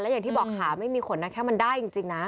อย่างที่บอกขาไม่มีขนนะแค่มันได้จริงนะ